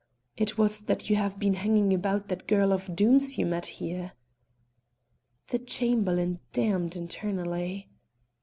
"It was that you have been hanging about that girl of Doom's you met here." The Chamberlain damned internally.